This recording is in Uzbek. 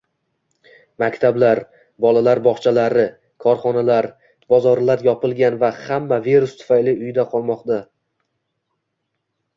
Maktablar, bolalar bog'chalari, korxonalar, bozorlar yopilgan va hamma virus tufayli uyda qolmoqda